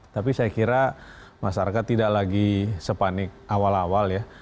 tapi saya kira masyarakat tidak lagi sepanik awal awal ya